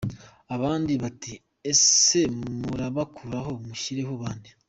Abandi bati ese « murabakuraho mushyireho bande »?